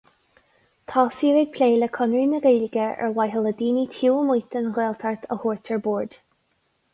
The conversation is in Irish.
Tosaíodh ag plé le Conradh na Gaeilge ar mhaithe le daoine taobh amuigh den Ghaeltacht a thabhairt ar bord.